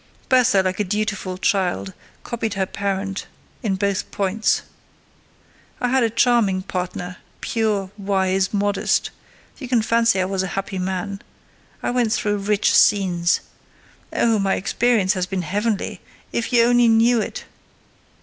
Bertha, like a dutiful child, copied her parent in both points. I had a charming partner—pure, wise, modest: you can fancy I was a happy man. I went through rich scenes! Oh! my experience has been heavenly, if you only knew it!